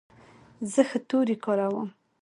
زه ښه توري کاروم.